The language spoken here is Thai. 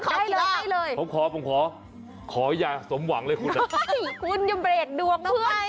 คุณอย่าเล็บดวงนองมัยว่าคุณบังขัดลาบ